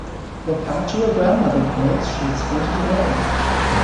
Look after your grandmother, girls; she has fainted away.